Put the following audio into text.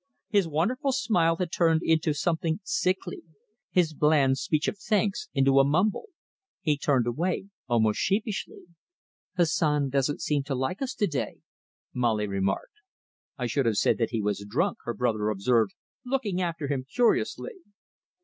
His wonderful smile had turned into something sickly, his bland speech of thanks into a mumble. He turned away almost sheepishly. "Hassan doesn't seem to like us to day," Molly remarked. "I should have said that he was drunk," her brother observed, looking after him curiously.